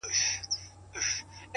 هره شېبه د سم تصمیم وخت کېدای شي,